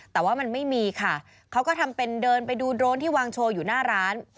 แต่ว่ามันไม่มีค่ะเขาก็ทำเป็นเดินไปดูโดรนที่วางโชว์อยู่หน้าร้าน